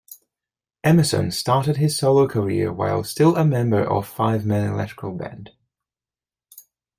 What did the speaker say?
Emmerson started his solo career while still a member of Five Man Electrical band.